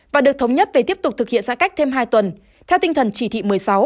và được thống nhất về tiếp tục thực hiện giãn cách thêm hai tuần theo tinh thần chỉ thị một mươi sáu